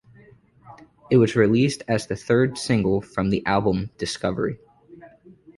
It was released as the third single from the album "Discovery".